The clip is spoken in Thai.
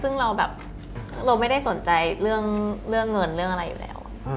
ซึ่งเราแบบเราไม่ได้สนใจเรื่องเงินเรื่องอะไรอยู่แล้ว